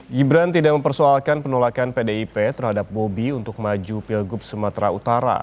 gibran tidak mempersoalkan penolakan pdip terhadap bobi untuk maju pilgub sumatera utara